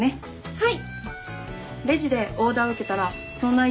はい。